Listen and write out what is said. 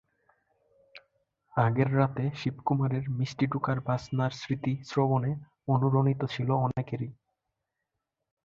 আগের রাতে শিবকুমারের মিষ্টি টোকার বাজনার স্মৃতি শ্রবণে অনুরণিত ছিল অনেকেরই।